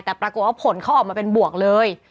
แต่ปรากฏว่าผลเขาออกมาเป็นบวกเลย